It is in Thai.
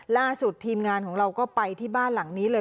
ล่าสุดทีมงานของเราก็ไปที่บ้านหลังนี้เลย